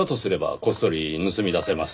こっそり盗み出せます